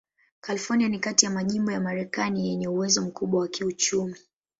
California ni kati ya majimbo ya Marekani yenye uwezo mkubwa wa kiuchumi.